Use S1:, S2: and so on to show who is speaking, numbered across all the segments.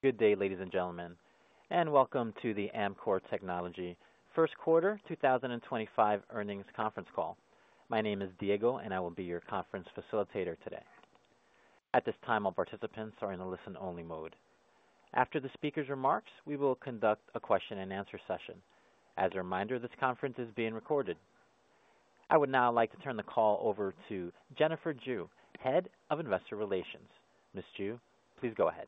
S1: Good day, ladies and gentlemen, and Welcome to the Amkor Technology Q1 2025 Earnings Conference Call. My name is Diego, and I will be your conference facilitator today. At this time, all participants are in a listen-only mode. After the speaker's remarks, we will conduct a Q&A session. As a reminder, this conference is being recorded. I would now like to turn the call over to Jennifer Jue, Head of Investor Relations. Ms. Jue, please go ahead.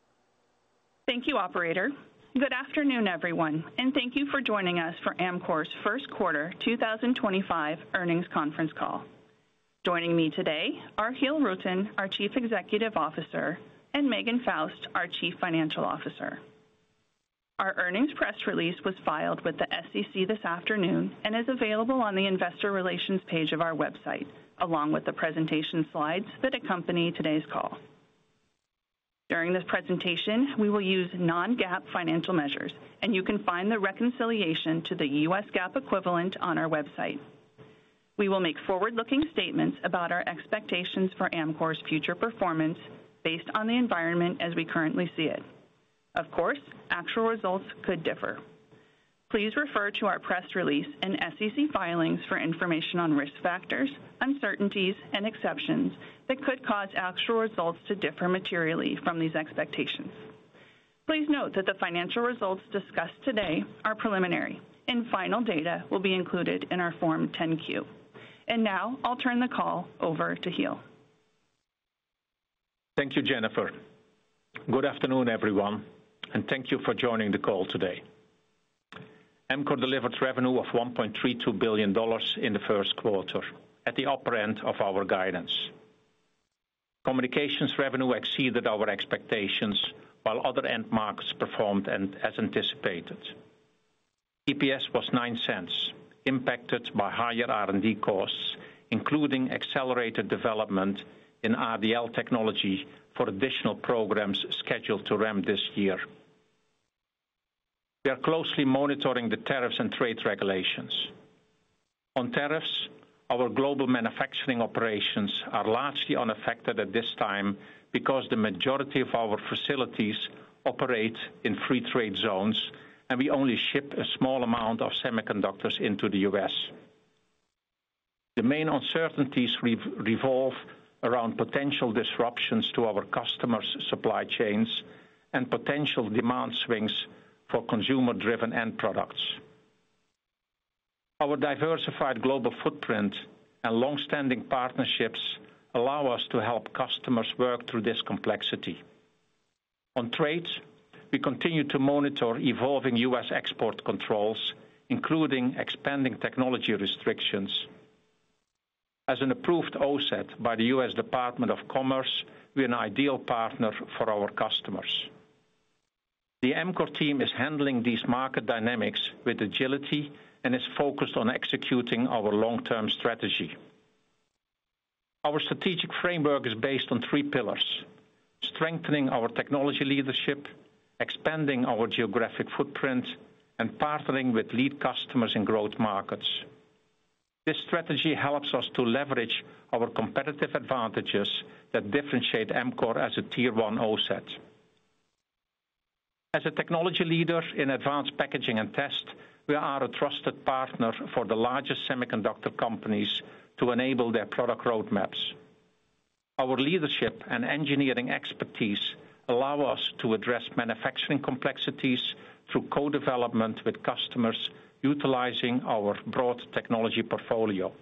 S2: Thank you, Operator. Good afternoon, everyone, and thank you for joining us for Amkor's Q1 2025 Earnings Conference Call. Joining me today are Giel Rutten, our Chief Executive Officer, and Megan Faust, our Chief Financial Officer. Our earnings press release was filed with the SEC this afternoon and is available on the Investor Relations page of our website, along with the presentation slides that accompany today's call. During this presentation, we will use non-GAAP financial measures, and you can find the reconciliation to the US GAAP equivalent on our website. We will make forward-looking statements about our expectations for Amkor's future performance based on the environment as we currently see it. Of course, actual results could differ. Please refer to our press release and SEC filings for information on risk factors, uncertainties, and exceptions that could cause actual results to differ materially from these expectations. Please note that the financial results discussed today are preliminary, and final data will be included in our Form 10-Q. I will now turn the call over to Giel.
S3: Thank you, Jennifer. Good afternoon, everyone, and thank you for joining the call today. Amkor delivered revenue of $1.32 billion in the Q1, at the upper end of our guidance. Communications revenue exceeded our expectations, while other end markets performed as anticipated. EPS was $0.09, impacted by higher R&D costs, including accelerated development in RDL technology for additional programs scheduled to ramp this year. We are closely monitoring the tariffs and trade regulations. On tariffs, our global manufacturing operations are largely unaffected at this time because the majority of our facilities operate in free trade zones, and we only ship a small amount of semiconductors into the U.S. The main uncertainties revolve around potential disruptions to our customers' supply chains and potential demand swings for consumer-driven end products. Our diversified global footprint and long-standing partnerships allow us to help customers work through this complexity. On trade, we continue to monitor evolving U.S. export controls, including expanding technology restrictions. As an approved OSAT by the U.S. Department of Commerce, we are an ideal partner for our customers. The Amkor team is handling these market dynamics with agility and is focused on executing our long-term strategy. Our strategic framework is based on three pillars: strengthening our technology leadership, expanding our geographic footprint, and partnering with lead customers in growth markets. This strategy helps us to leverage our competitive advantages that differentiate Amkor as a Tier 1 OSAT. As a technology leader in advanced packaging and test, we are a trusted partner for the largest semiconductor companies to enable their product roadmaps. Our leadership and engineering expertise allow us to address manufacturing complexities through co-development with customers, utilizing our broad technology portfolio.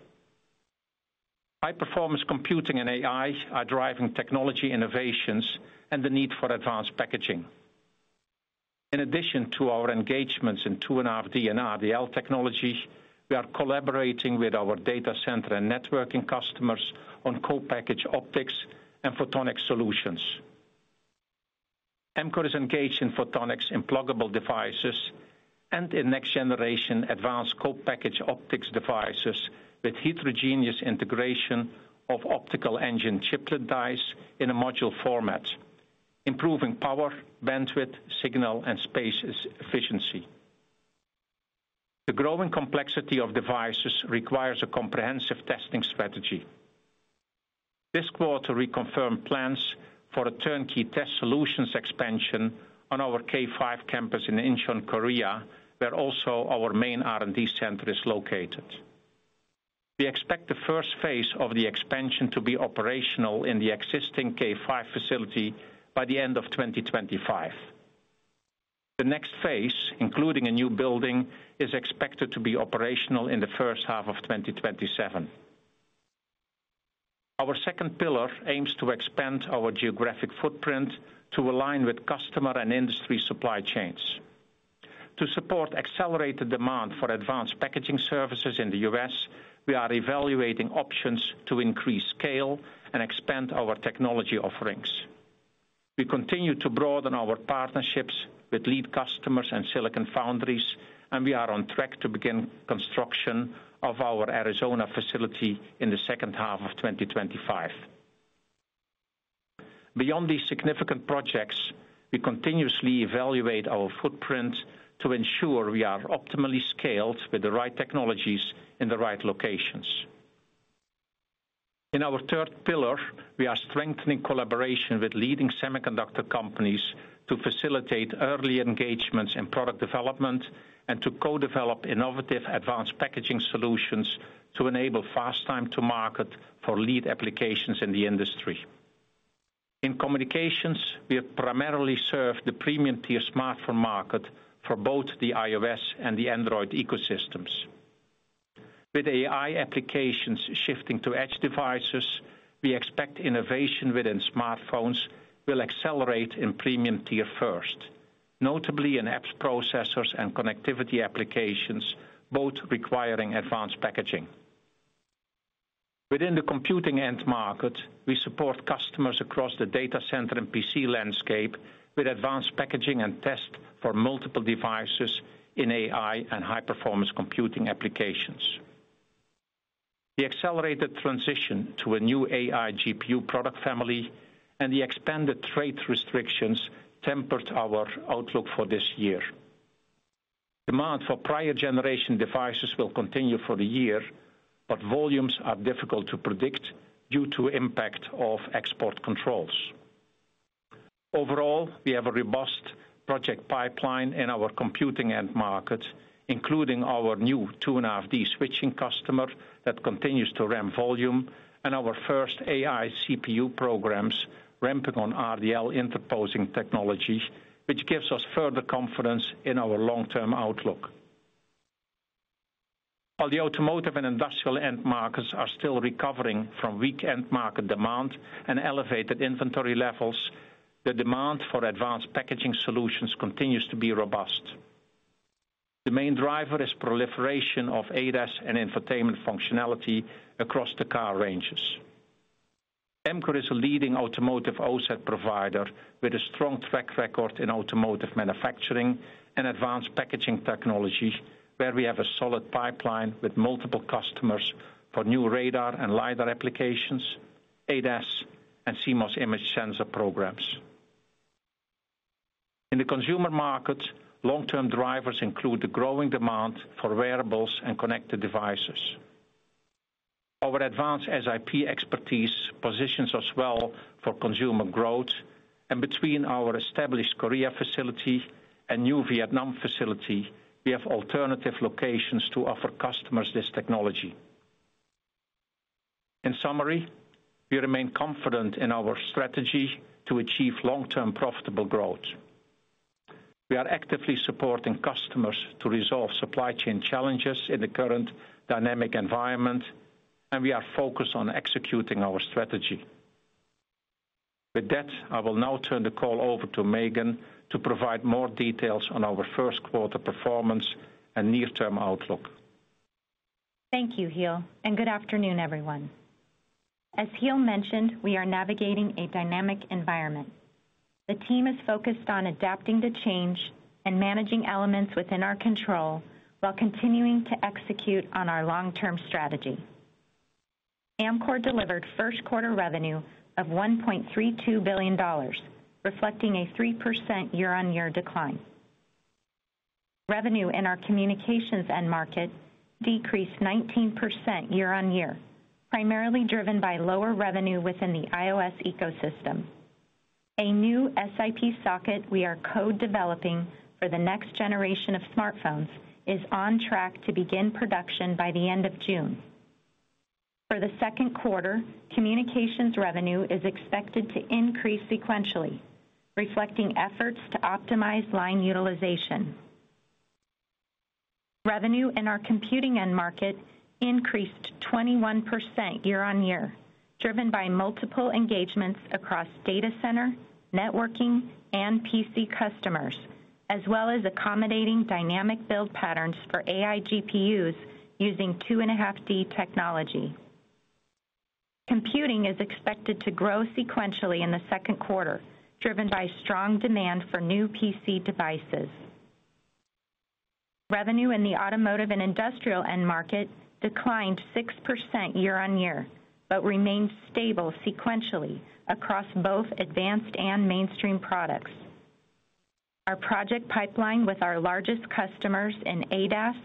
S3: High-performance computing and AI are driving technology innovations and the need for advanced packaging. In addition to our engagements in 2.5D and RDL technology, we are collaborating with our data center and networking customers on co-packaged optics and photonics solutions. Amkor is engaged in photonics in pluggable devices and in next-generation advanced co-packaged optics devices with heterogeneous integration of optical engine chiplet dies in a module format, improving power, bandwidth, signal, and space efficiency. The growing complexity of devices requires a comprehensive testing strategy. This quarter, we confirmed plans for a turnkey test solutions expansion on our K5 campus in Incheon, Korea, where also our main R&D center is located. We expect the first phase of the expansion to be operational in the existing K5 facility by the end of 2025. The next phase, including a new building, is expected to be operational in the H1 of 2027. Our second pillar aims to expand our geographic footprint to align with customer and industry supply chains. To support accelerated demand for advanced packaging services in the US, we are evaluating options to increase scale and expand our technology offerings. We continue to broaden our partnerships with lead customers and silicon foundries, and we are on track to begin construction of our Arizona facility in the H2 of 2025. Beyond these significant projects, we continuously evaluate our footprint to ensure we are optimally scaled with the right technologies in the right locations. In our third pillar, we are strengthening collaboration with leading semiconductor companies to facilitate early engagements in product development and to co-develop innovative advanced packaging solutions to enable fast time-to-market for lead applications in the industry. In communications, we have primarily served the premium-tier smartphone market for both the iOS and the Android ecosystems. With AI applications shifting to edge devices, we expect innovation within smartphones will accelerate in premium-tier first, notably in apps processors and connectivity applications, both requiring advanced packaging. Within the computing end market, we support customers across the data center and PC landscape with advanced packaging and test for multiple devices in AI and high-performance computing applications. The accelerated transition to a new AI GPU product family and the expanded trade restrictions tempered our outlook for this year. Demand for prior-generation devices will continue for the year, but volumes are difficult to predict due to the impact of export controls. Overall, we have a robust project pipeline in our computing end market, including our new 2.5D switching customer that continues to ramp volume and our first AI CPU programs ramping on RDL interposing technology, which gives us further confidence in our long-term outlook. While the automotive and industrial end markets are still recovering from weak end market demand and elevated inventory levels, the demand for advanced packaging solutions continues to be robust. The main driver is proliferation of ADAS and infotainment functionality across the car ranges. Amkor is a leading automotive OSAT provider with a strong track record in automotive manufacturing and advanced packaging technology, where we have a solid pipeline with multiple customers for new radar and LiDAR applications, ADAS, and CMOS image sensor programs. In the consumer market, long-term drivers include the growing demand for wearables and connected devices. Our advanced SiP expertise positions us well for consumer growth, and between our established Korea facility and new Vietnam facility, we have alternative locations to offer customers this technology. In summary, we remain confident in our strategy to achieve long-term profitable growth. We are actively supporting customers to resolve supply chain challenges in the current dynamic environment, and we are focused on executing our strategy. With that, I will now turn the call over to Megan to provide more details on our Q1 performance and near-term outlook.
S4: Thank you, Giel, and good afternoon, everyone. As Giel mentioned, we are navigating a dynamic environment. The team is focused on adapting to change and managing elements within our control while continuing to execute on our long-term strategy. Amkor delivered Q1 revenue of $1.32 billion, reflecting a 3% year-on-year decline. Revenue in our communications end market decreased 19% year-on-year, primarily driven by lower revenue within the iOS ecosystem. A new SiP socket we are co-developing for the next generation of smartphones is on track to begin production by the end of June. For the Q2, communications revenue is expected to increase sequentially, reflecting efforts to optimize line utilization. Revenue in our computing end market increased 21% year-on-year, driven by multiple engagements across data center, networking, and PC customers, as well as accommodating dynamic build patterns for AI GPUs using 2.5D technology. Computing is expected to grow sequentially in the Q2, driven by strong demand for new PC devices. Revenue in the automotive and industrial end market declined 6% year-on-year but remained stable sequentially across both advanced and mainstream products. Our project pipeline with our largest customers in ADAS,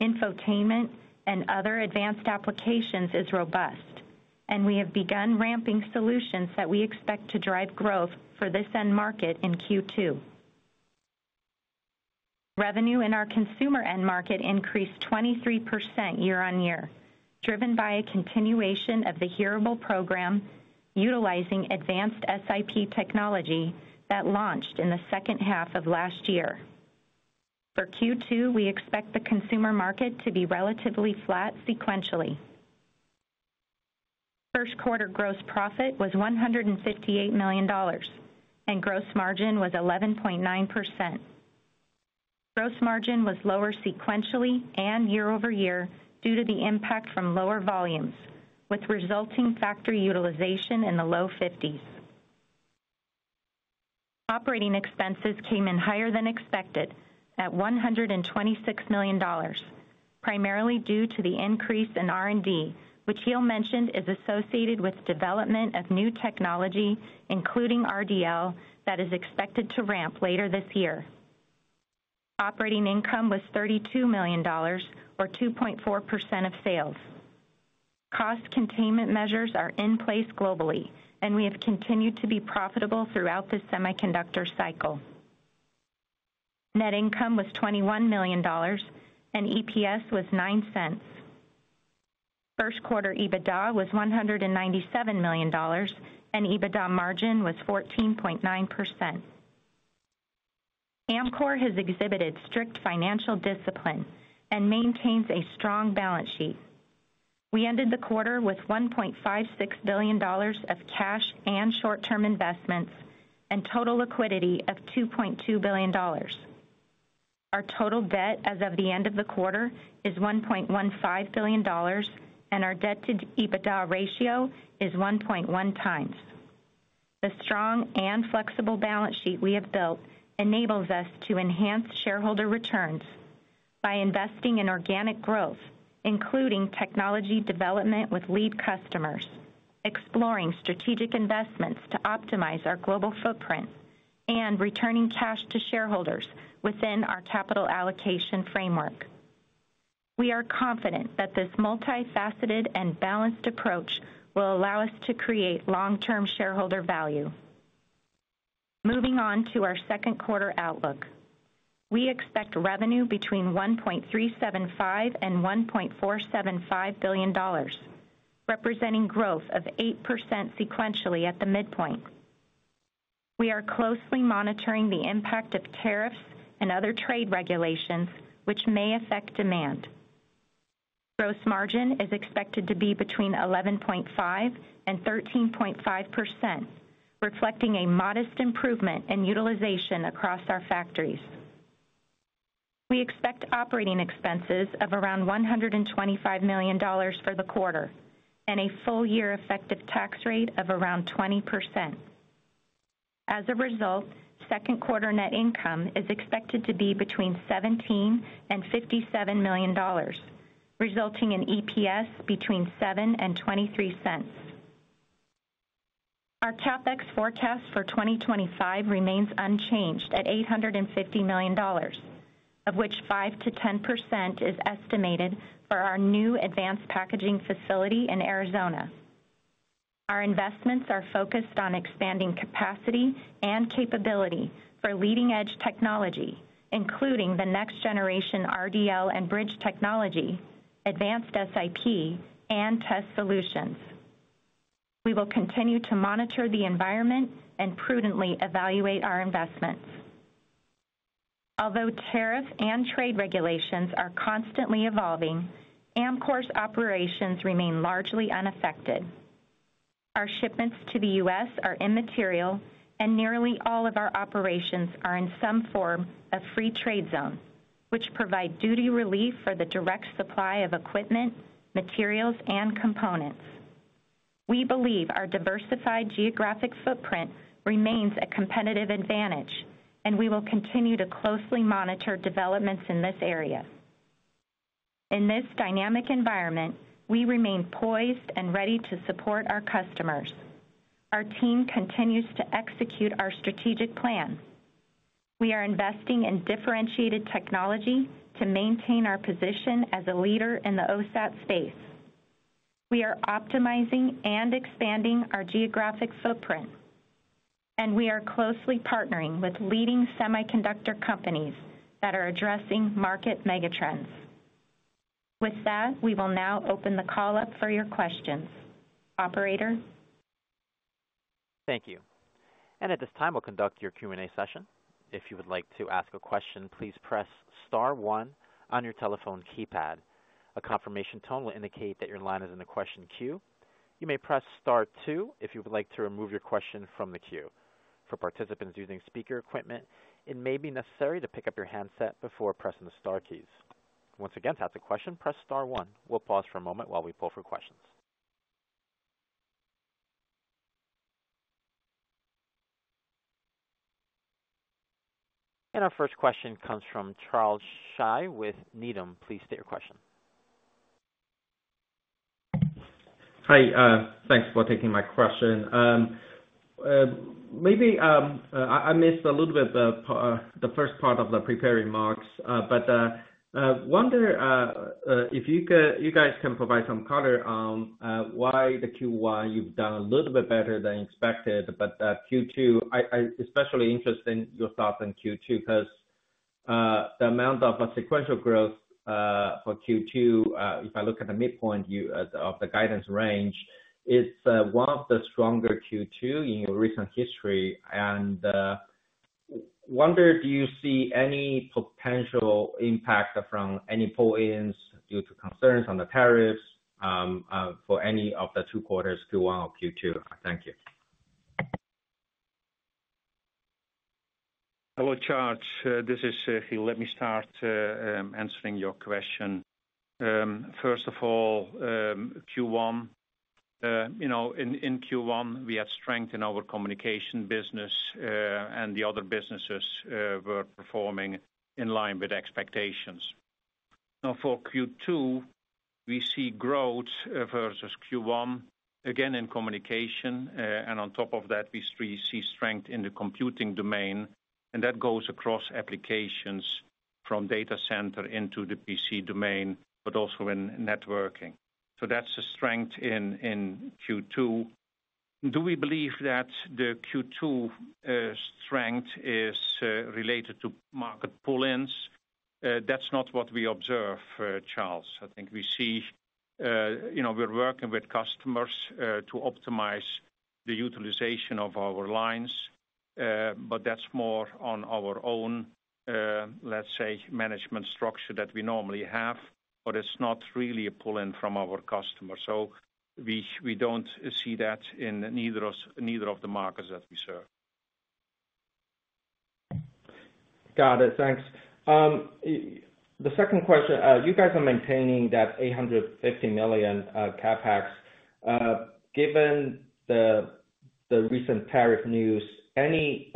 S4: infotainment, and other advanced applications is robust, and we have begun ramping solutions that we expect to drive growth for this end market in Q2. Revenue in our consumer end market increased 23% year-on-year, driven by a continuation of the hearable program utilizing advanced SIP technology that launched in the H2 of last year. For Q2, we expect the consumer market to be relatively flat sequentially. Q1 gross profit was $158 million, and gross margin was 11.9%. Gross margin was lower sequentially and year-over-year due to the impact from lower volumes, with resulting factory utilization in the low 50s. Operating expenses came in higher than expected at $126 million, primarily due to the increase in R&D, which Giel mentioned is associated with development of new technology, including RDL, that is expected to ramp later this year. Operating income was $32 million, or 2.4% of sales. Cost containment measures are in place globally, and we have continued to be profitable throughout this semiconductor cycle. Net income was $21 million, and EPS was $0.09. Q1 EBITDA was $197 million, and EBITDA margin was 14.9%. Amkor has exhibited strict financial discipline and maintains a strong balance sheet. We ended the quarter with $1.56 billion of cash and short-term investments and total liquidity of $2.2 billion. Our total debt as of the end of the quarter is $1.15 billion, and our debt-to-EBITDA ratio is 1.1 times. The strong and flexible balance sheet we have built enables us to enhance shareholder returns by investing in organic growth, including technology development with lead customers, exploring strategic investments to optimize our global footprint, and returning cash to shareholders within our capital allocation framework. We are confident that this multifaceted and balanced approach will allow us to create long-term shareholder value. Moving on to our Q2 outlook, we expect revenue between $1.375 billion and $1.475 billion, representing growth of 8% sequentially at the midpoint. We are closely monitoring the impact of tariffs and other trade regulations, which may affect demand. Gross margin is expected to be between 11.5% and 13.5%, reflecting a modest improvement in utilization across our factories. We expect operating expenses of around $125 million for the quarter and a full-year effective tax rate of around 20%. As a result, Q2 net income is expected to be between $17 million and $57 million, resulting in EPS between $0.07 and $0.23. Our CapEx forecast for 2025 remains unchanged at $850 million, of which 5% to 10% is estimated for our new advanced packaging facility in Arizona. Our investments are focused on expanding capacity and capability for leading-edge technology, including the next-generation RDL and bridge technology, advanced SIP, and test solutions. We will continue to monitor the environment and prudently evaluate our investments. Although tariff and trade regulations are constantly evolving, Amkor's operations remain largely unaffected. Our shipments to the U.S. are immaterial, and nearly all of our operations are in some form of free trade zone, which provides duty relief for the direct supply of equipment, materials, and components. We believe our diversified geographic footprint remains a competitive advantage, and we will continue to closely monitor developments in this area. In this dynamic environment, we remain poised and ready to support our customers. Our team continues to execute our strategic plan. We are investing in differentiated technology to maintain our position as a leader in the OSAT space. We are optimizing and expanding our geographic footprint, and we are closely partnering with leading semiconductor companies that are addressing market megatrends. With that, we will now open the call up for your questions. Operator.
S1: Thank you. At this time, we'll conduct your Q&A session. If you would like to ask a question, please press star one on your telephone keypad. A confirmation tone will indicate that your line is in the question queue. You may press star two if you would like to remove your question from the queue. For participants using speaker equipment, it may be necessary to pick up your handset before pressing the Star keys. Once again, to ask a question, press star one. We'll pause for a moment while we pull for questions. Our first question comes from Charles Shi with Needham. Please state your question.
S5: Hi. Thanks for taking my question. Maybe I missed a little bit the first part of the prepared remarks, but I wonder if you guys can provide some color on why the Q1 you've done a little bit better than expected, but Q2, I'm especially interested in your thoughts on Q2 because the amount of sequential growth for Q2, if I look at the midpoint of the guidance range, it's one of the stronger Q2 in your recent history. I wonder, do you see any potential impact from any pull-ins due to concerns on the tariffs for any of the two quarters, Q1 or Q2? Thank you.
S3: Hello, Charles. This is Giel. Let me start answering your question. First of all, in Q1, we had strength in our communication business, and the other businesses were performing in line with expectations. Now, for Q2, we see growth versus Q1, again in communication, and on top of that, we see strength in the computing domain, and that goes across applications from data center into the PC domain, but also in networking. That is a strength in Q2. Do we believe that the Q2 strength is related to market pull-ins? That is not what we observe, Charles. I think we see we are working with customers to optimize the utilization of our lines, but that is more on our own, let's say, management structure that we normally have, but it is not really a pull-in from our customers. We do not see that in neither of the markets that we serve.
S5: Got it. Thanks. The second question, you guys are maintaining that $850 million CapEx. Given the recent tariff news, any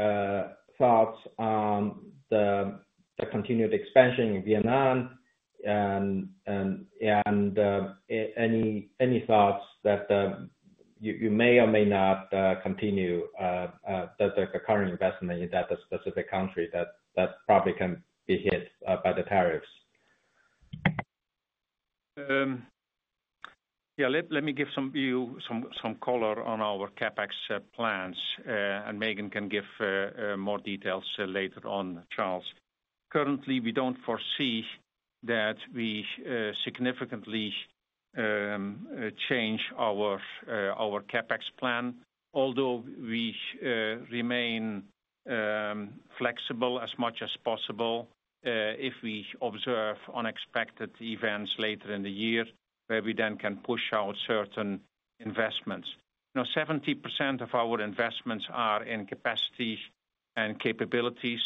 S5: thoughts on the continued expansion in Vietnam and any thoughts that you may or may not continue the current investment in that specific country that probably can be hit by the tariffs?
S3: Yeah. Let me give you some color on our CapEx plans, and Megan can give more details later on, Charles. Currently, we do not foresee that we significantly change our CapEx plan, although we remain flexible as much as possible if we observe unexpected events later in the year where we then can push out certain investments. Now, 70% of our investments are in capacity and capabilities,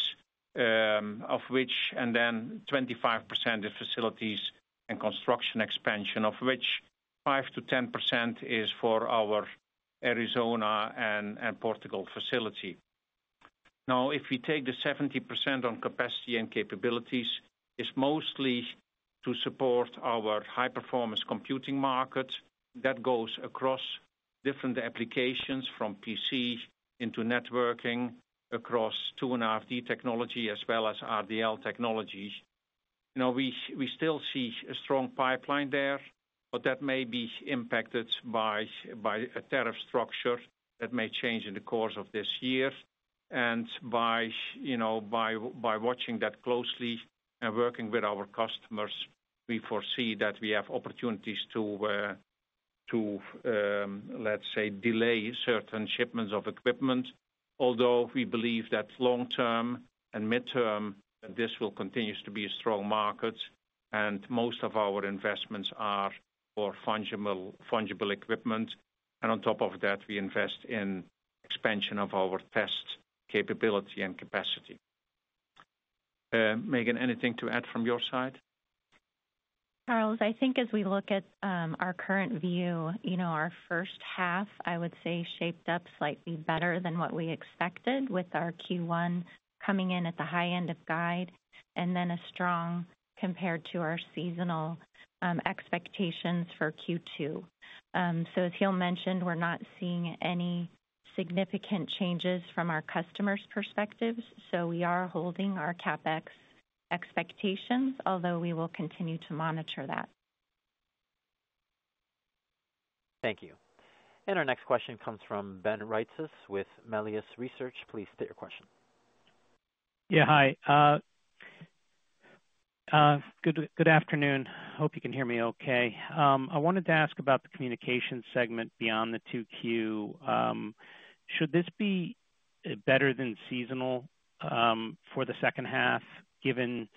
S3: of which, and then 25% is facilities and construction expansion, of which 5%-10% is for our Arizona and Portugal facility. Now, if we take the 70% on capacity and capabilities, it is mostly to support our high-performance computing market. That goes across different applications from PC into networking across 2.5D technology as well as RDL technologies. We still see a strong pipeline there, but that may be impacted by a tariff structure that may change in the course of this year. By watching that closely and working with our customers, we foresee that we have opportunities to, let's say, delay certain shipments of equipment, although we believe that long-term and midterm, this will continue to be a strong market, and most of our investments are for fungible equipment. On top of that, we invest in expansion of our test capability and capacity. Megan, anything to add from your side?
S4: Charles, I think as we look at our current view, our H1, I would say, shaped up slightly better than what we expected with our Q1 coming in at the high end of guide and then a strong compared to our seasonal expectations for Q2. As Giel mentioned, we're not seeing any significant changes from our customers' perspectives, so we are holding our CapEx expectations, although we will continue to monitor that.
S1: Thank you. Our next question comes from Ben Reitzes with Melius Research. Please state your question.
S6: Yeah. Hi. Good afternoon. Hope you can hear me okay. I wanted to ask about the communication segment beyond the 2Q. Should this be better than seasonal for the H2 given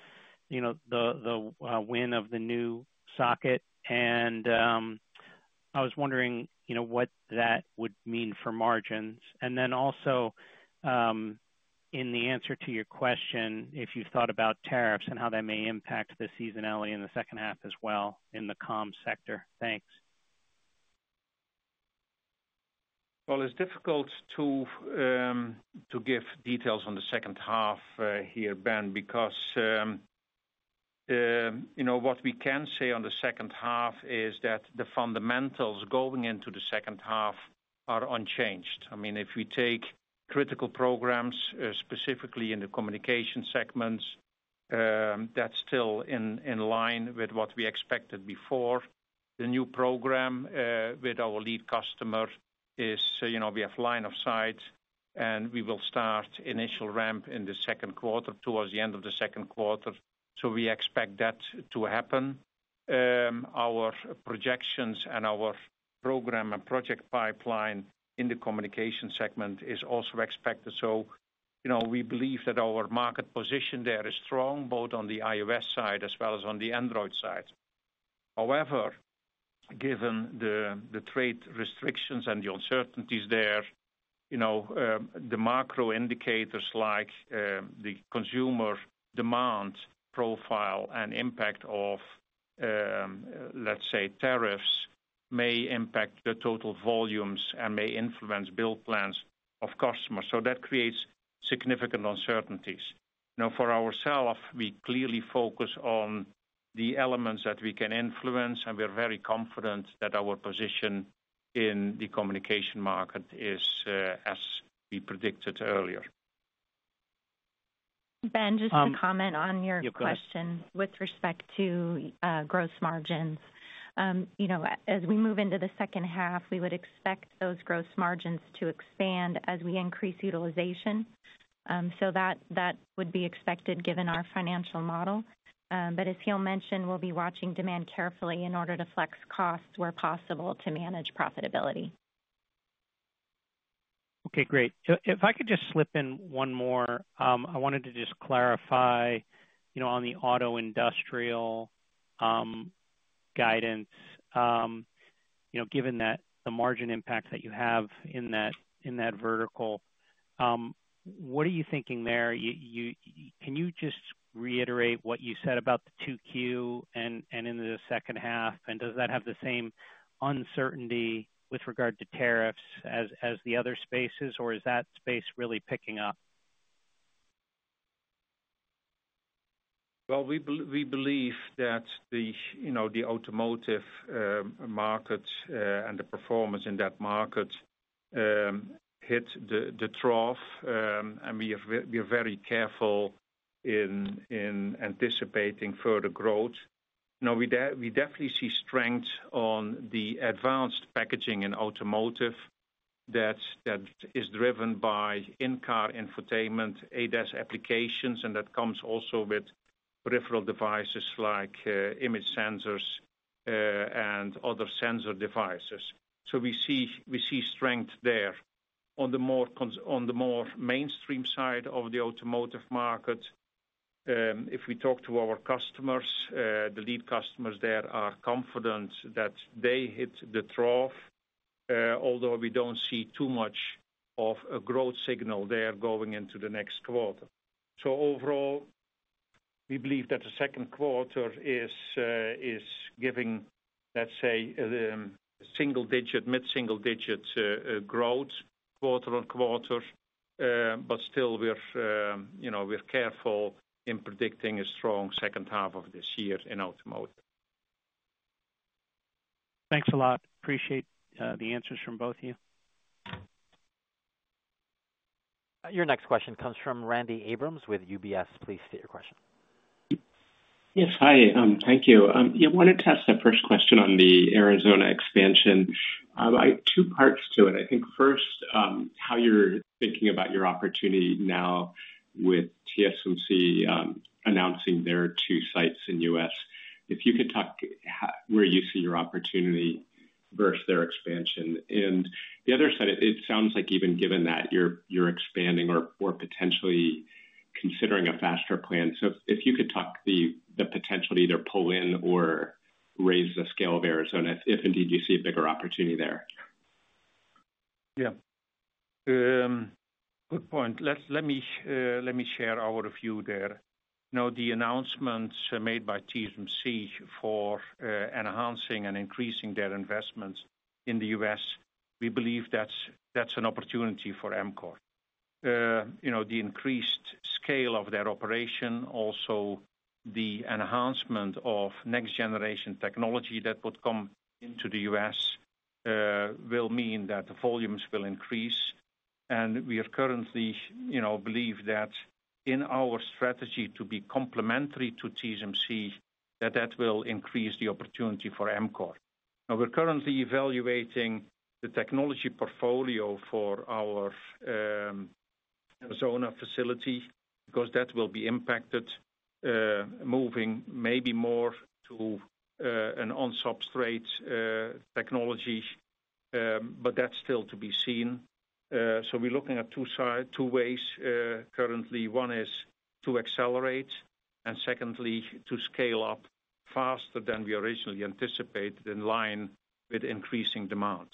S6: the win of the new socket? I was wondering what that would mean for margins. Also, in the answer to your question, if you've thought about tariffs and how that may impact the seasonality in the H2 as well in the comms sector. Thanks.
S3: It's difficult to give details on the H2 here, Ben, because what we can say on the H2 is that the fundamentals going into the H2 are unchanged. I mean, if we take critical programs, specifically in the communication segments, that's still in line with what we expected before. The new program with our lead customers, we have line of sight, and we will start initial ramp in the Q2 towards the end of the Q2. We expect that to happen. Our projections and our program and project pipeline in the communication segment is also expected. We believe that our market position there is strong, both on the iOS side as well as on the Android side. However, given the trade restrictions and the uncertainties there, the macro indicators like the consumer demand profile and impact of, let's say, tariffs may impact the total volumes and may influence bill plans of customers. That creates significant uncertainties. Now, for ourselves, we clearly focus on the elements that we can influence, and we're very confident that our position in the communication market is as we predicted earlier.
S4: Ben, just to comment on your question with respect to gross margins. As we move into the H2, we would expect those gross margins to expand as we increase utilization. That would be expected given our financial model. As Giel mentioned, we'll be watching demand carefully in order to flex costs where possible to manage profitability.
S7: Okay. Great. If I could just slip in one more, I wanted to just clarify on the auto industrial guidance, given the margin impacts that you have in that vertical. What are you thinking there? Can you just reiterate what you said about the two Q and in the H2? And does that have the same uncertainty with regard to tariffs as the other spaces, or is that space really picking up?
S3: We believe that the automotive markets and the performance in that market hit the trough, and we are very careful in anticipating further growth. Now, we definitely see strength on the advanced packaging in automotive that is driven by in-car infotainment, ADAS applications, and that comes also with peripheral devices like image sensors and other sensor devices. We see strength there. On the more mainstream side of the automotive market, if we talk to our customers, the lead customers there are confident that they hit the trough, although we do not see too much of a growth signal there going into the next quarter. Overall, we believe that the Q2 is giving, let's say, a single-digit, mid-single-digit growth quarter on quarter, but still, we are careful in predicting a strong H2 of this year in automotive.
S1: Thanks a lot. Appreciate the answers from both of you. Your next question comes from Randy Abrams with UBS. Please state your question.
S8: Yes. Hi. Thank you. I wanted to ask that first question on the Arizona expansion. Two parts to it. First, how you're thinking about your opportunity now with TSMC announcing their two sites in the U.S. If you could talk where you see your opportunity versus their expansion. The other side, it sounds like even given that you're expanding or potentially considering a faster plan. If you could talk the potential to either pull in or raise the scale of Arizona if indeed you see a bigger opportunity there.
S3: Yeah. Good point. Let me share our view there. Now, the announcements made by TSMC for enhancing and increasing their investments in the U.S., we believe that's an opportunity for Amkor. The increased scale of their operation, also the enhancement of next-generation technology that would come into the U.S. will mean that the volumes will increase. We currently believe that in our strategy to be complementary to TSMC, that that will increase the opportunity for Amkor. Now, we're currently evaluating the technology portfolio for our Arizona facility because that will be impacted, moving maybe more to an on-substrate technology, but that's still to be seen. We are looking at two ways currently. One is to accelerate, and secondly, to scale up faster than we originally anticipated in line with increasing demand.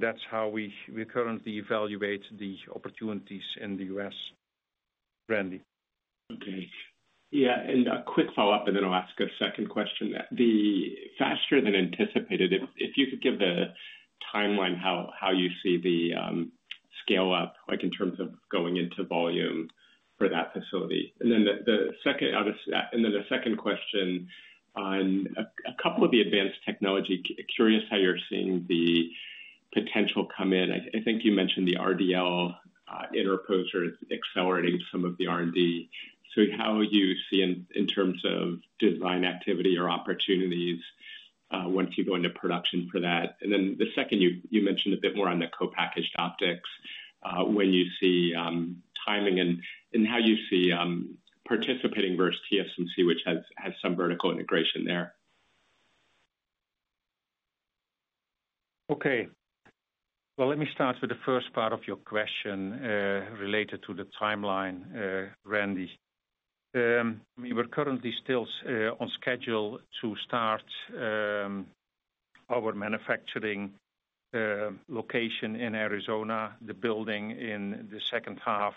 S3: That's how we currently evaluate the opportunities in the U.S. Randy.
S8: Okay. Yeah. A quick follow-up, and then I'll ask a second question. Faster than anticipated, if you could give the timeline how you see the scale-up in terms of going into volume for that facility. The second question on a couple of the advanced technology, curious how you're seeing the potential come in. I think you mentioned the RDL interposer is accelerating some of the R&D. How you see in terms of design activity or opportunities once you go into production for that. The second, you mentioned a bit more on the co-packaged optics, when you see timing and how you see participating versus TSMC, which has some vertical integration there.
S3: Okay. Let me start with the first part of your question related to the timeline, Randy. We are currently still on schedule to start our manufacturing location in Arizona, the building in the H2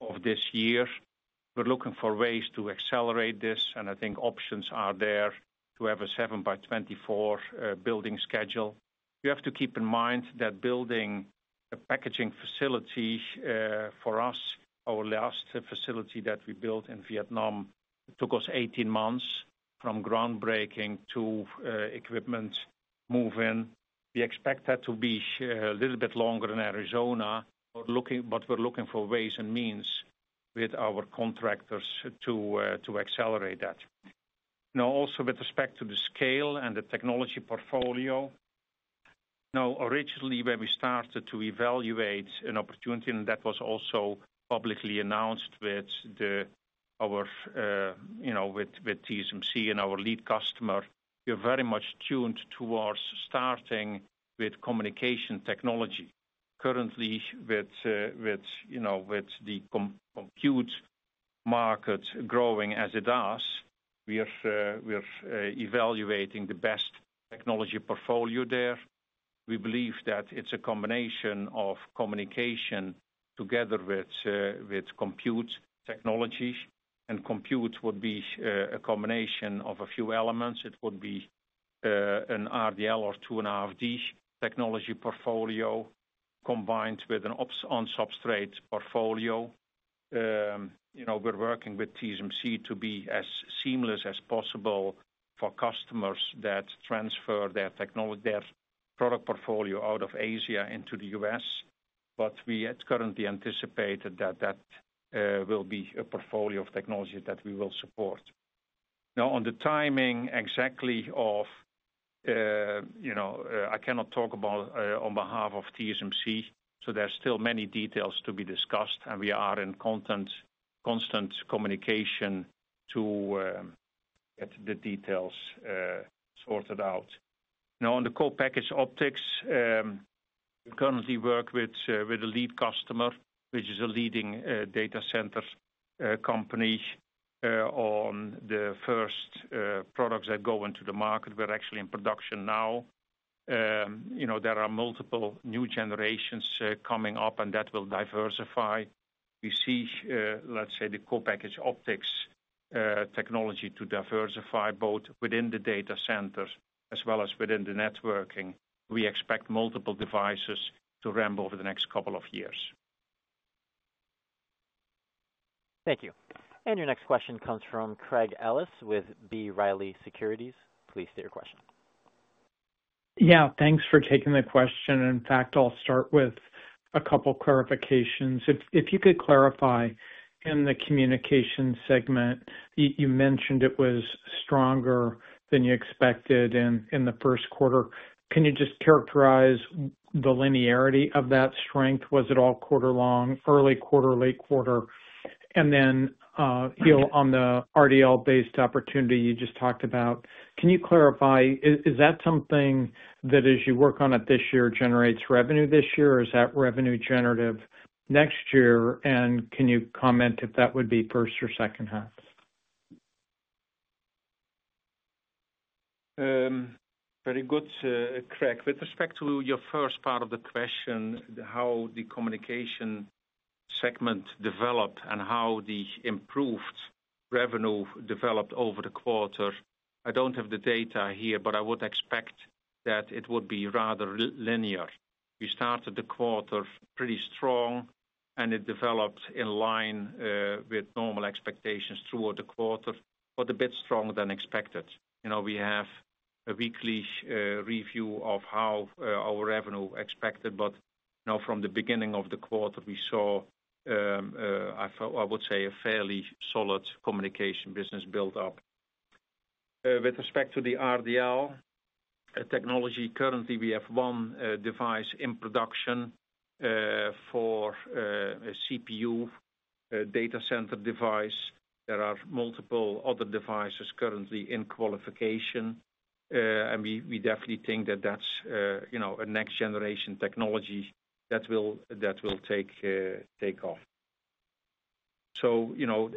S3: of this year. We are looking for ways to accelerate this, and I think options are there to have a 7x24 building schedule. You have to keep in mind that building a packaging facility for us, our last facility that we built in Vietnam, took us 18 months from groundbreaking to equipment move-in. We expect that to be a little bit longer than Arizona, but we are looking for ways and means with our contractors to accelerate that. Now, also with respect to the scale and the technology portfolio, now, originally when we started to evaluate an opportunity, and that was also publicly announced with TSMC and our lead customer, we're very much tuned towards starting with communication technology. Currently, with the compute market growing as it does, we're evaluating the best technology portfolio there. We believe that it's a combination of communication together with compute technologies. Compute would be a combination of a few elements. It would be an RDL or 2.5D technology portfolio combined with an on-substrate portfolio. We're working with TSMC to be as seamless as possible for customers that transfer their product portfolio out of Asia into the U.S.. We currently anticipate that that will be a portfolio of technology that we will support. Now, on the timing exactly of I cannot talk about on behalf of TSMC, so there's still many details to be discussed, and we are in constant communication to get the details sorted out. Now, on the co-packaged optics, we currently work with a lead customer, which is a leading data center company on the first products that go into the market. We're actually in production now. There are multiple new generations coming up, and that will diversify. We see, let's say, the co-packaged optics technology to diversify both within the data centers as well as within the networking. We expect multiple devices to ramp over the next couple of years.
S1: Thank you. Your next question comes from Craig Ellis with B. Riley Securities. Please state your question.
S9: Yeah. Thanks for taking the question. In fact, I'll start with a couple of clarifications. If you could clarify in the communication segment, you mentioned it was stronger than you expected in the Q1. Can you just characterize the linearity of that strength? Was it all quarter-long, early quarter, late quarter? In the RDL-based opportunity you just talked about, can you clarify, is that something that as you work on it this year generates revenue this year, or is that revenue-generative next year? Can you comment if that would be first or H2?
S3: Very good, Craig. With respect to your first part of the question, how the communication segment developed and how the improved revenue developed over the quarter, I don't have the data here, but I would expect that it would be rather linear. We started the quarter pretty strong, and it developed in line with normal expectations throughout the quarter, but a bit stronger than expected. We have a weekly review of how our revenue expected, but now from the beginning of the quarter, we saw, I would say, a fairly solid communication business build-up. With respect to the RDL technology, currently we have one device in production for a CPU data center device. There are multiple other devices currently in qualification, and we definitely think that that's a next-generation technology that will take off.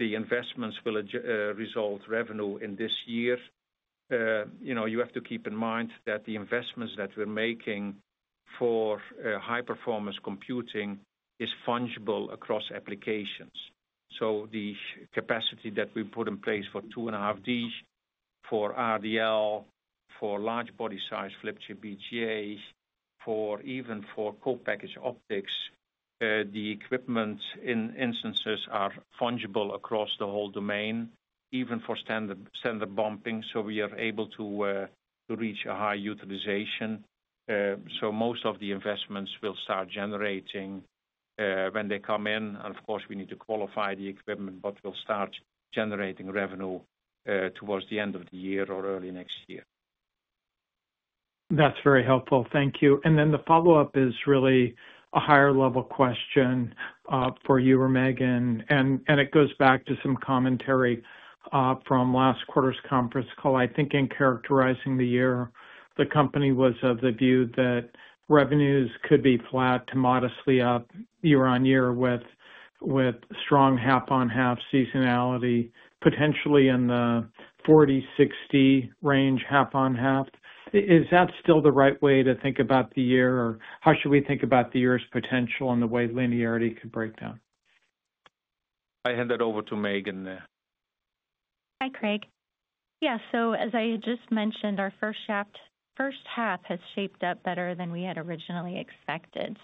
S3: The investments will result in revenue in this year. You have to keep in mind that the investments that we're making for high-performance computing are fungible across applications. The capacity that we put in place for 2.5D, for RDL, for large body-sized Flip Chip BGA, even for co-package optics, the equipment instances are fungible across the whole domain, even for standard bumping. We are able to reach a high utilization. Most of the investments will start generating when they come in. Of course, we need to qualify the equipment, but we'll start generating revenue towards the end of the year or early next year.
S9: That's very helpful. Thank you. The follow-up is really a higher-level question for you or Megan. It goes back to some commentary from last quarter's conference call. I think in characterizing the year, the company was of the view that revenues could be flat to modestly up year-on-year with strong half-on-half seasonality, potentially in the 40-60% range, half-on-half. Is that still the right way to think about the year, or how should we think about the year's potential and the way linearity could break down?
S3: I hand that over to Megan.
S4: Hi, Craig. Yeah. As I had just mentioned, our H1 has shaped up better than we had originally expected.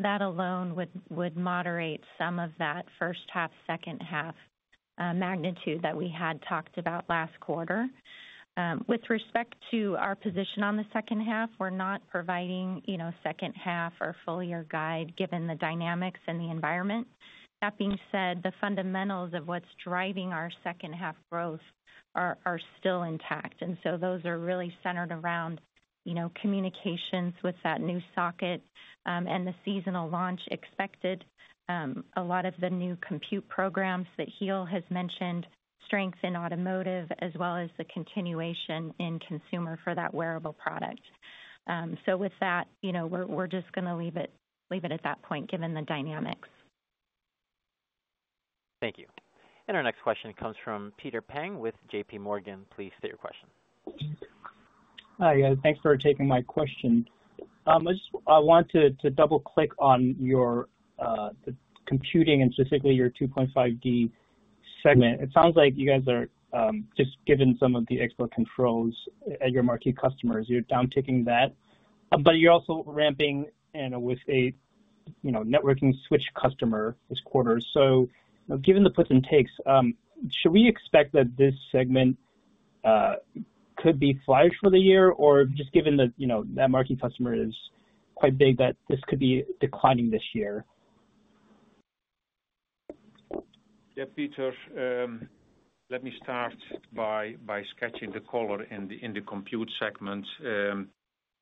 S4: That alone would moderate some of that H1, H2 magnitude that we had talked about last quarter. With respect to our position on the H2, we're not providing H2 or full-year guide given the dynamics and the environment. That being said, the fundamentals of what's driving our second-half growth are still intact. Those are really centered around communications with that new socket and the seasonal launch expected, a lot of the new compute programs that Giel has mentioned, strength in automotive, as well as the continuation in consumer for that wearable product. With that, we're just going to leave it at that point given the dynamics.
S1: Thank you. Our next question comes from Peter Peng with JPMorgan Chase. Please state your question.
S10: Hi, guys. Thanks for taking my question. I want to double-click on the computing and specifically your 2.5D segment. It sounds like you guys are just given some of the expert controls at your marquee customers. You're downticking that, but you're also ramping with a networking switch customer this quarter. Given the puts and takes, should we expect that this segment could be flagged for the year, or just given that marquee customer is quite big, that this could be declining this year?
S3: Yeah, Peter, let me start by sketching the color in the compute segment.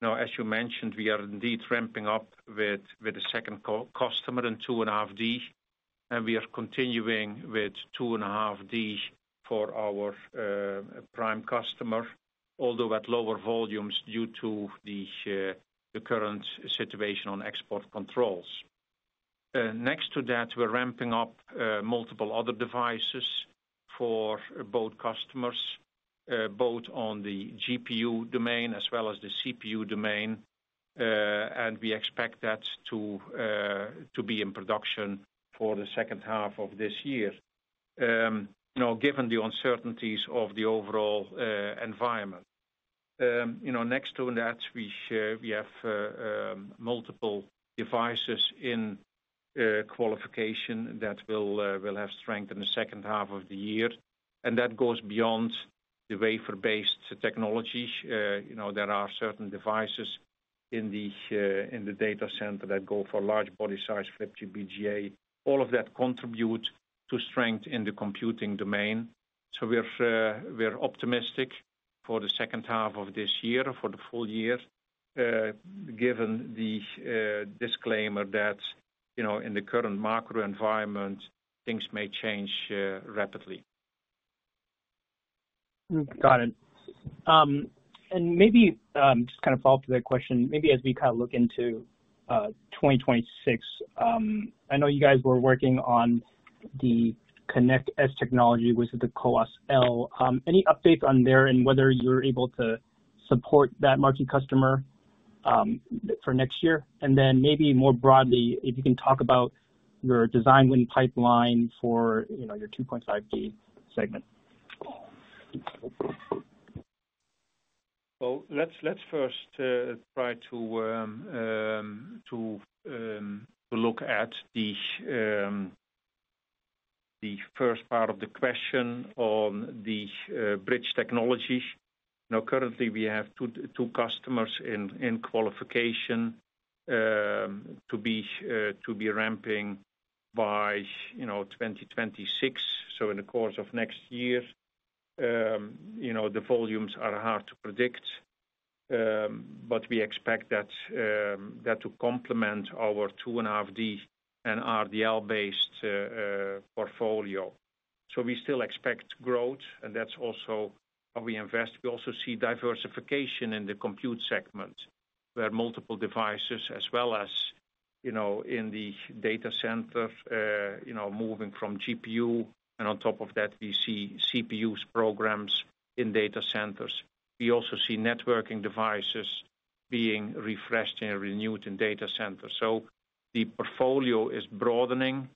S3: Now, as you mentioned, we are indeed ramping up with the second customer in 2.5D, and we are continuing with 2.5D for our prime customer, although at lower volumes due to the current situation on export controls. Next to that, we are ramping up multiple other devices for both customers, both on the GPU domain as well as the CPU domain, and we expect that to be in production for the H2 of this year, given the uncertainties of the overall environment. Next to that, we have multiple devices in qualification that will have strength in the H2 of the year. That goes beyond the wafer-based technologies. There are certain devices in the data center that go for large body-sized Flip Chip BGA. All of that contributes to strength in the computing domain. We're optimistic for the H2 of this year, for the full year, given the disclaimer that in the current macro environment, things may change rapidly.
S10: Got it. Maybe just kind of follow-up to that question, maybe as we kind of look into 2026, I know you guys were working on the Connect-S Technology with the CoWoS-L. Any updates on there and whether you're able to support that marquee customer for next year? Maybe more broadly, if you can talk about your design wind pipeline for your 2.5D segment.
S3: Let's first try to look at the first part of the question on the bridge technologies. Now, currently, we have two customers in qualification to be ramping by 2026. In the course of next year, the volumes are hard to predict, but we expect that to complement our 2.5D and RDL-based portfolio. We still expect growth, and that's also how we invest. We also see diversification in the compute segment where multiple devices, as well as in the data centers, are moving from GPU. On top of that, we see CPU programs in data centers. We also see networking devices being refreshed and renewed in data centers. The portfolio is broadening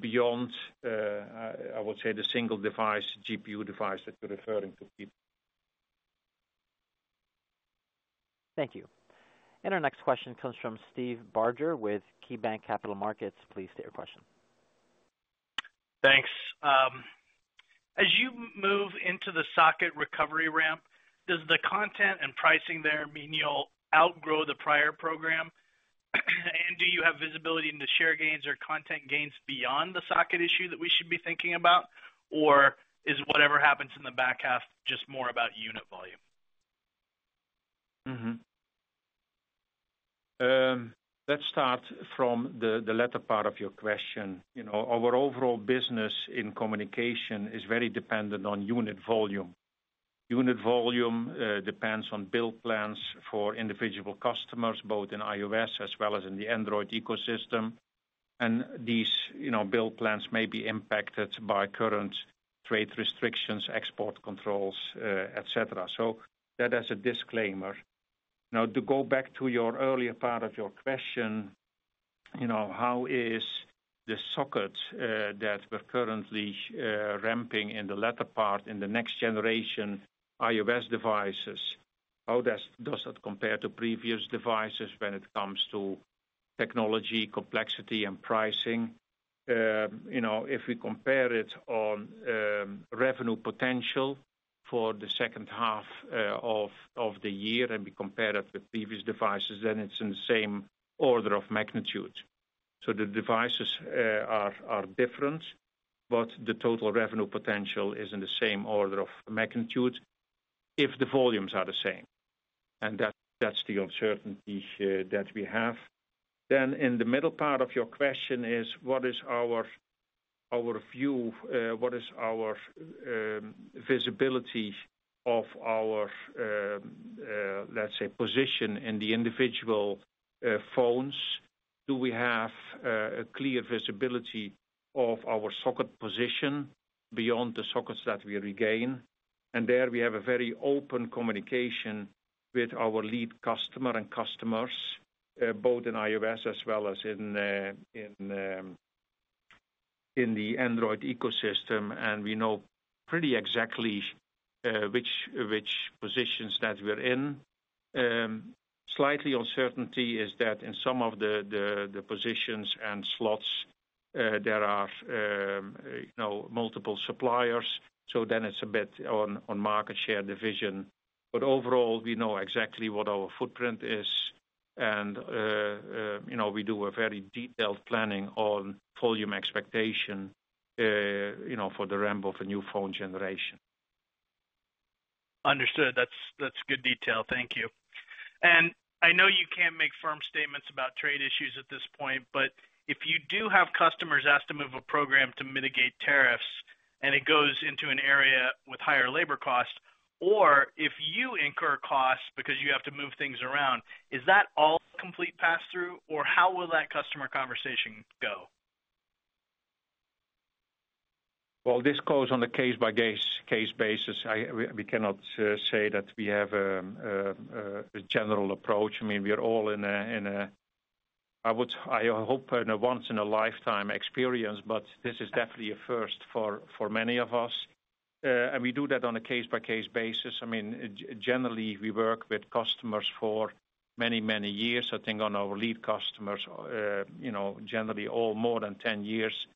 S3: beyond, I would say, the single device, GPU device that you're referring to, Peter.
S1: Thank you. Our next question comes from Steve Barger with KeyBanc Capital Markets. Please state your question.
S11: Thanks. As you move into the socket recovery ramp, does the content and pricing there mean you'll outgrow the prior program? Do you have visibility into share gains or content gains beyond the socket issue that we should be thinking about, or is whatever happens in the back half just more about unit volume?
S3: Let's start from the latter part of your question. Our overall business in communication is very dependent on unit volume. Unit volume depends on build plans for individual customers, both in iOS as well as in the Android ecosystem. These build plans may be impacted by current trade restrictions, export controls, etc. That as a disclaimer. Now, to go back to your earlier part of your question, how is the socket that we're currently ramping in the latter part in the next generation iOS devices? How does that compare to previous devices when it comes to technology, complexity, and pricing? If we compare it on revenue potential for the H2 of the year and we compare it with previous devices, then it's in the same order of magnitude. The devices are different, but the total revenue potential is in the same order of magnitude if the volumes are the same. That is the uncertainty that we have. In the middle part of your question, what is our view? What is our visibility of our, let's say, position in the individual phones? Do we have a clear visibility of our socket position beyond the sockets that we regain? There we have a very open communication with our lead customer and customers, both in iOS as well as in the Android ecosystem, and we know pretty exactly which positions that we're in. Slight uncertainty is that in some of the positions and slots, there are multiple suppliers. It is a bit on market share division. Overall, we know exactly what our footprint is, and we do a very detailed planning on volume expectation for the ramp of a new phone generation.
S11: Understood. That's good detail. Thank you. I know you can't make firm statements about trade issues at this point, but if you do have customers asked to move a program to mitigate tariffs and it goes into an area with higher labor costs, or if you incur costs because you have to move things around, is that all complete pass-through, or how will that customer conversation go?
S3: This goes on a case-by-case basis. We cannot say that we have a general approach. I mean, we are all in a, I hope, once-in-a-lifetime experience, but this is definitely a first for many of us. We do that on a case-by-case basis. I mean, generally, we work with customers for many, many years. I think on our lead customers, generally all more than 10 years,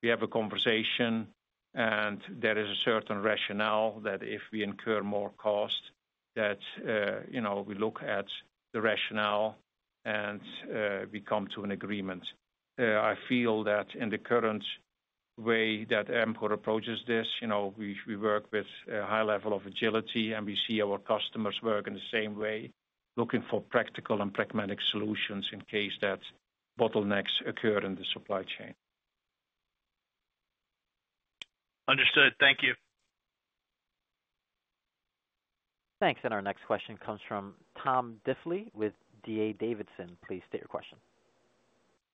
S3: we have a conversation, and there is a certain rationale that if we incur more cost, that we look at the rationale and we come to an agreement. I feel that in the current way that Amkor approaches this, we work with a high level of agility, and we see our customers work in the same way, looking for practical and pragmatic solutions in case that bottlenecks occur in the supply chain.
S11: Understood. Thank you.
S1: Thanks. Our next question comes from Thomas Diffely with D.A. Davidson. Please state your question.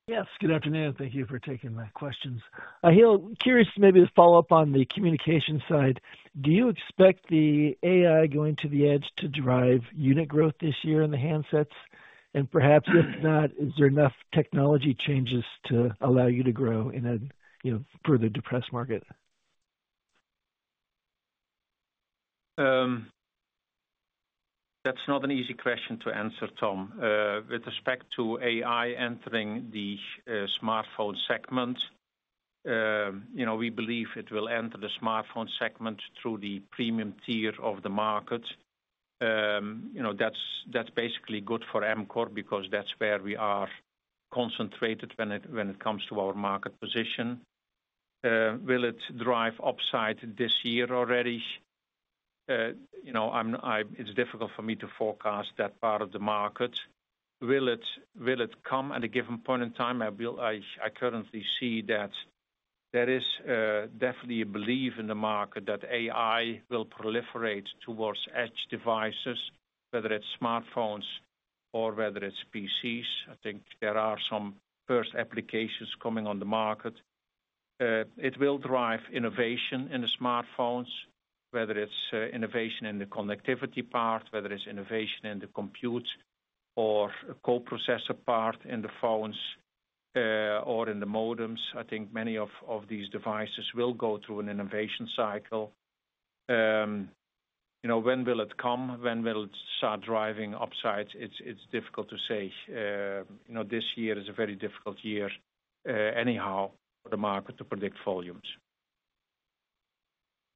S12: Yes. Good afternoon. Thank you for taking my questions. Giel, curious to maybe follow up on the communication side. Do you expect the AI going to the edge to drive unit growth this year in the handsets? And perhaps if not, is there enough technology changes to allow you to grow in a further depressed market?
S3: That's not an easy question to answer, Tom. With respect to AI entering the smartphone segment, we believe it will enter the smartphone segment through the premium tier of the market. That's basically good for Amkor because that's where we are concentrated when it comes to our market position. Will it drive upside this year already? It's difficult for me to forecast that part of the market. Will it come at a given point in time? I currently see that there is definitely a belief in the market that AI will proliferate towards edge devices, whether it's smartphones or whether it's PCs. I think there are some first applications coming on the market. It will drive innovation in the smartphones, whether it's innovation in the connectivity part, whether it's innovation in the compute or co-processor part in the phones or in the modems. I think many of these devices will go through an innovation cycle. When will it come? When will it start driving upside? It's difficult to say. This year is a very difficult year anyhow for the market to predict volumes.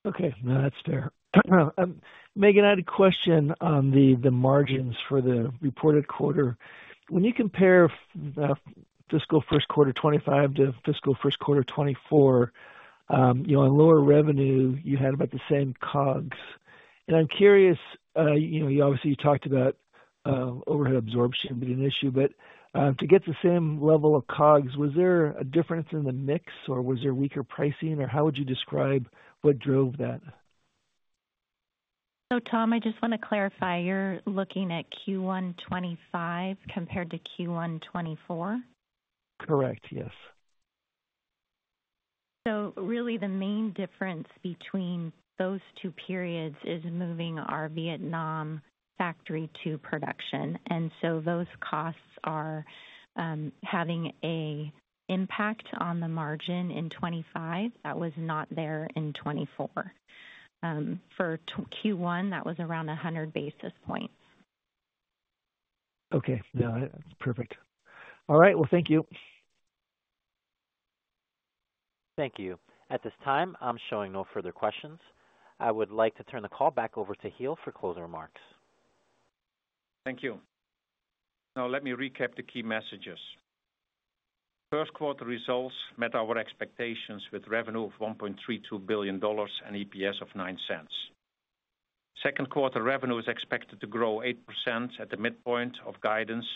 S12: Okay. No, that's fair. Megan, I had a question on the margins for the reported quarter. When you compare fiscal Q1 2025 to fiscal Q1 2024, on lower revenue, you had about the same COGS. I'm curious, obviously, you talked about overhead absorption being an issue, but to get the same level of COGS, was there a difference in the mix, or was there weaker pricing, or how would you describe what drove that?
S4: Tom, I just want to clarify. You're looking at Q1 2025 compared to Q1 2024?
S12: Correct. Yes.
S4: Really, the main difference between those two periods is moving our Vietnam factory to production. Those costs are having an impact on the margin in 2025 that was not there in 2024. For Q1, that was around 100 basis points.
S12: Okay. No, that's perfect. All right. Thank you.
S1: Thank you. At this time, I'm showing no further questions. I would like to turn the call back over to Giel for closing remarks.
S3: Thank you. Now, let me recap the key messages. First quarter results met our expectations with revenue of $1.32 billion and EPS of $0.09. Second quarter revenue is expected to grow 8% at the midpoint of guidance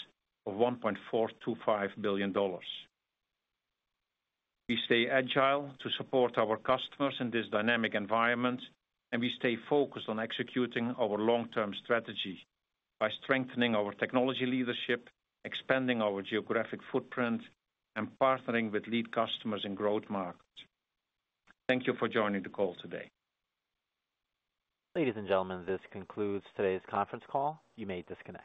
S3: of $1.425 billion. We stay agile to support our customers in this dynamic environment, and we stay focused on executing our long-term strategy by strengthening our technology leadership, expanding our geographic footprint, and partnering with lead customers in growth markets. Thank you for joining the call today.
S1: Ladies and gentlemen, this concludes today's conference call. You may disconnect.